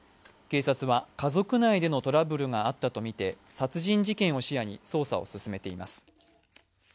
警察は家族内でのトラブルがあったとみて殺人事件を視野に捜査を進めています。